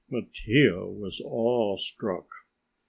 Mattia was awestruck.